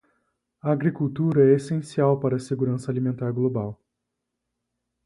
A agricultura é essencial para a segurança alimentar global.